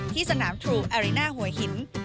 ที่สนามทรูอาริน่าหัวหิน